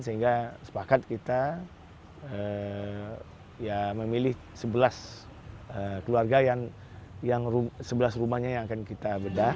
sehingga sepakat kita memilih sebelas keluarga yang sebelas rumahnya yang akan kita bedah